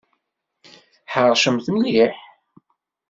Tḥeṛcemt mliḥ!